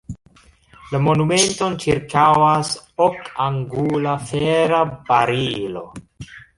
La monumenton ĉirkaŭas okangula, fera barilo.